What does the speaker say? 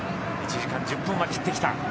１時間１０分は切ってきた。